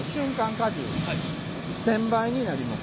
荷重１，０００倍になります。